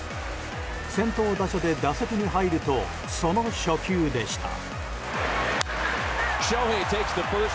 先頭打者で打席に入るとその初球でした。